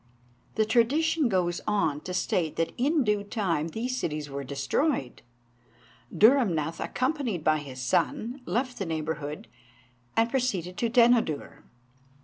The tradition goes on to state that in due time these cities were destroyed; Dhurrumnath, accompanied by his son, left the neighbourhood, and proceeded to Denodur.